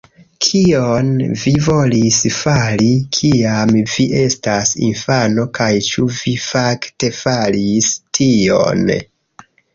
Kion vi volis fari kiam vi estas infano kaj ĉu vi fakte faris tion?